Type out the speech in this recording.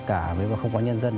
tất cả nếu mà không có nhân dân